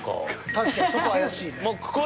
確かにそこ怪しいね。